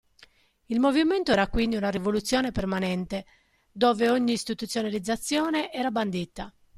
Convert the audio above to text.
Il movimento era quindi una rivoluzione permanente, dove ogni istituzionalizzazione era bandita.